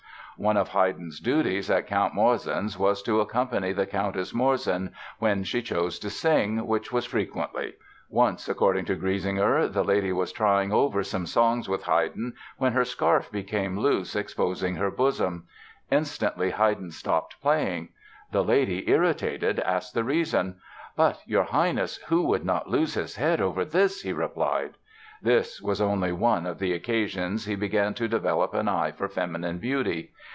One of Haydn's duties at Count Morzin's was to accompany the Countess Morzin when she chose to sing, which was frequently. Once, according to Griesinger, the lady was trying over some songs with Haydn when her scarf became loose, exposing her bosom. Instantly, Haydn stopped playing. The lady, irritated, asked the reason. "But, your Highness, who would not lose his head over this?" he replied. This was only one of the occasions he began to develop an eye for feminine beauty.